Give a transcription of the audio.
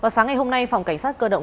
sáng ngày hôm nay phòng cảnh sát cơ động